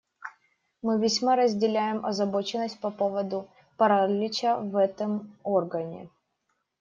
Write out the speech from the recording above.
Мы весьма разделяем озабоченность по поводу паралича в этом органе.